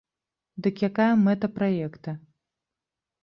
Дык якая мэта праекта?